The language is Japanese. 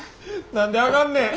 何であかんねん！